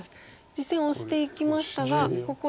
実戦オシていきましたがここで。